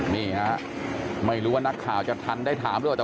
นี่ฮะไม่รู้ว่านักข่าวจะทันได้ถามหรือเปล่า